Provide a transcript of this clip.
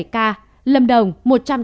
lâm đồng một trăm tám mươi năm ca